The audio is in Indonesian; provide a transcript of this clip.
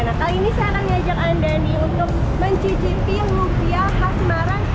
nah kali ini saya akan ngajak anda nih untuk mencicipi lumpia khas semarang